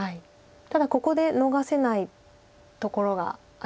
ただここで逃せないところがありまして。